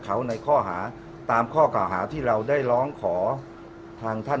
อ๋อขออนุญาตเป็นในเรื่องของการสอบสวนปากคำแพทย์ผู้ที่เกี่ยวข้องให้ชัดแจ้งอีกครั้งหนึ่งนะครับ